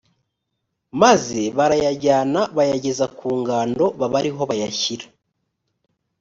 maze barayajyana bayageza ku ngando baba ari ho bayashyira.